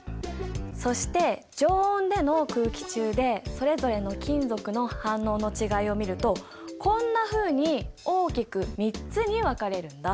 そして常温での空気中でそれぞれの金属の反応の違いを見るとこんなふうに大きく３つに分かれるんだ。